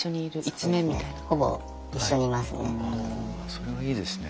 それはいいですね。